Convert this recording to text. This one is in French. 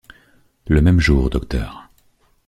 Le même jour, Dr.